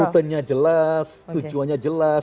rutenya jelas tujuannya jelas